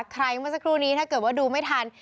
เมื่อสักครู่นี้ถ้าเกิดว่าดูไม่ทัน